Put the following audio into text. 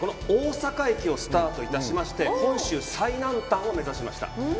大阪駅をスタートいたしまして、本州最南端を目指しました。